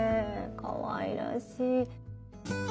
かわいらしい。